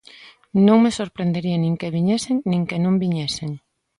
Non me sorprendería nin que viñesen nin que non viñesen.